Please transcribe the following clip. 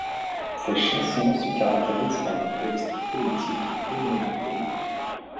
Ses chansons se caractérisent par des textes poétiques et mélancoliques.